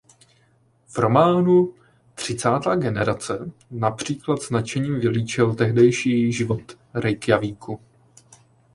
V románu "Třicátá generace" například s nadšením vylíčil tehdejší rozvoj Reykjavíku.